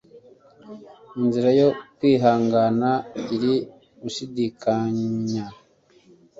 inzira yo kwihangana iri gushidikanya